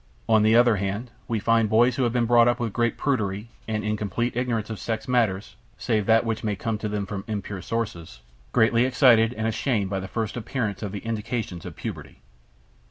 On the other hand, we find boys who have been brought up with great prudery and in complete ignorance of sex matters (save that which may come to them from impure sources) greatly excited and ashamed by the first appearance of the indications of puberty.